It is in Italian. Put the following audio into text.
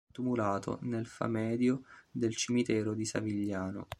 È tumulato nel Famedio del cimitero di Savigliano.